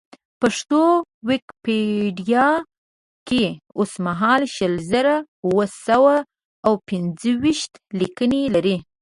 پښتو ویکیپېډیا کې اوسمهال شل زره اوه سوه او پېنځه ویشت لیکنې لري.